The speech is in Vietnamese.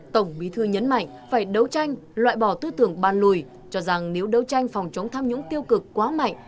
tổng bí thư nhấn mạnh phải đấu tranh loại bỏ tư tưởng ban lùi cho rằng nếu đấu tranh phòng chống tham nhũng tiêu cực quá mạnh